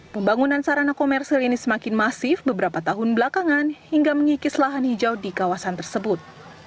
pembangunan sarana komersil ini semakin masif beberapa tahun belakangan hingga mengikis lahan hijau di kawasan tersebut